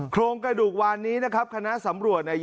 โครงกระดูกวานนี้นะครับคณะสำรวจเนี่ย